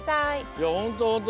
いやほんとほんと